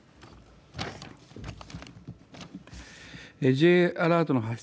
Ｊアラートの発出